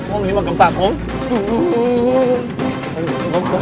om ini mau gempa om